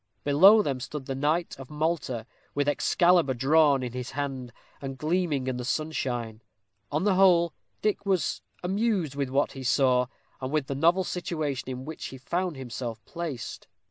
Below them stood the knight of Malta, with Excalibur drawn in his hand, and gleaming in the sunshine. On the whole, Dick was amused with what he saw, and with the novel situation in which he found himself placed.